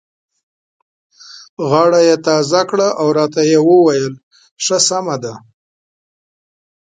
غاړه یې تازه کړه او راته یې وویل: ښه سمه ده.